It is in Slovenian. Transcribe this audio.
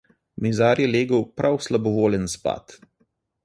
Mizar je legel prav slabovoljen spat.